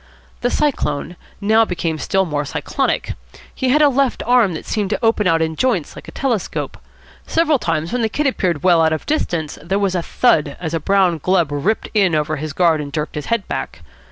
The Cyclone now became still more cyclonic. He had a left arm which seemed to open out in joints like a telescope. Several times when the Kid appeared well out of distance there was a thud as a brown glove ripped in over his guard and jerked his head back.